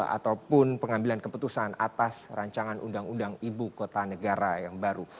ataupun pengambilan keputusan atas rancangan undang undang ibu kota negara yang baru